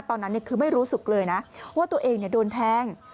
ตอนนั้นคือไม่รู้สึกเลยนะว่าตัวเองโดนแทง